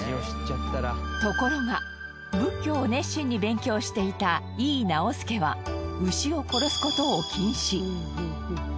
ところが仏教を熱心に勉強していた井伊直弼は牛を殺す事を禁止。